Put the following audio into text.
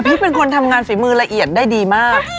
พี่เป็นคนทำงานฝีมือละเอียดได้ดีมาก